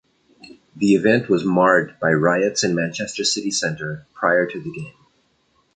The event was marred by riots in Manchester city centre prior to the game.